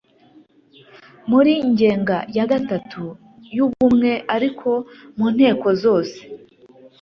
muri ngenga ya gatatu y’ubumwe ariko mu nteko zose